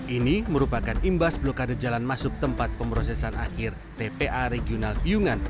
ini merupakan imbas blokade jalan masuk tempat pemrosesan akhir tpa regional piyungan